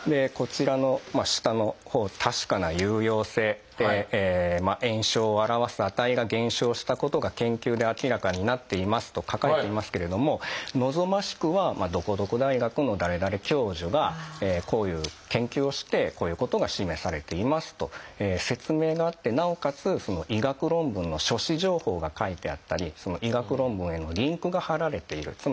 こちらの下のほう「確かな有用性」って「炎症を表す値が減少したことが研究で明らかになっています」と書かれていますけれども望ましくは「どこどこ大学の誰々教授がこういう研究をしてこういうことが示されています」と説明があってなおかつ医学論文の書誌情報が書いてあったり医学論文へのリンクが貼られている。